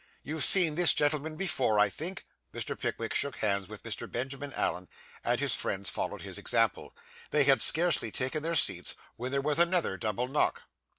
You've seen this gentleman before, I think?' Mr. Pickwick shook hands with Mr. Benjamin Allen, and his friends followed his example. They had scarcely taken their seats when there was another double knock.